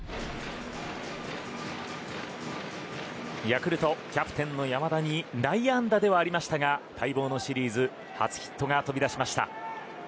ヤクルト、キャプテンの山田に内野安打ではありましたが待望のシリーズ初ヒットが飛び出しました。